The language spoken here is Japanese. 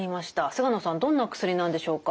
菅野さんどんな薬なんでしょうか？